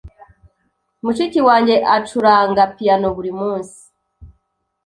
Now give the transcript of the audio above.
Mushiki wanjye acuranga piyano buri munsi.